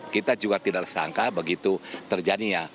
kita juga tidak sangka begitu terjadi ya